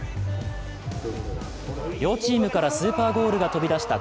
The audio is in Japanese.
両チームからスーパーゴールが飛び出した